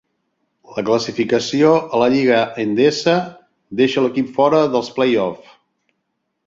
La classificació a la Lliga Endesa deixa l'equip fora dels play-offs.